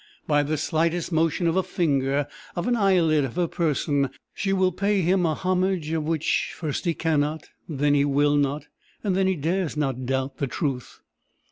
By the slightest motion of a finger, of an eyelid, of her person, she will pay him a homage of which first he cannot, then he will not, then he dares not doubt the truth.